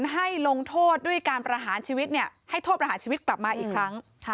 ให้โทษประหารชีวิตกลับมาอีกครั้ง